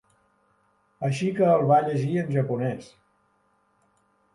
Així que el va llegir en japonès.